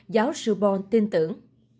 giáo sư ball tin tưởng